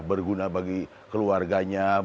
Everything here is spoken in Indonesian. berguna bagi keluarganya